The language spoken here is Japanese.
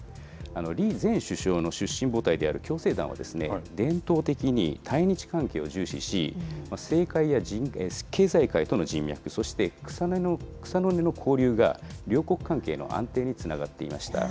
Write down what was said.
李前首相の出身母体である共青団は、伝統的に対日関係を重視し、政界や経済界との人脈、そして、草の根の交流が両国関係の安定につながっていました。